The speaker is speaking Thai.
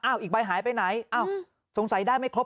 อีกใบหายไปไหนอ้าวสงสัยได้ไม่ครบ